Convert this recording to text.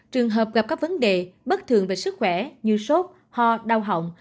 trường hợp gặp các vấn đề bất thường về sức khỏe như sốt ho đau họng